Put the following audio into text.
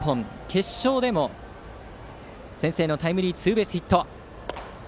決勝でも先制のタイムリーツーベースヒット。